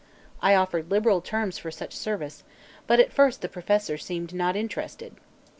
I offered liberal terms for such service, but at first the professor seemed not interested.